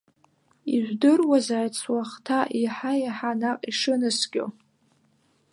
Ижәдыруазааит суахҭа еиҳа-еиҳа наҟ ишынаскьо!